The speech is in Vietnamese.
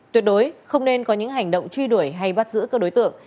tuyệt đối không nên có những hành động truy đuổi hay bắt giữ các đối tượng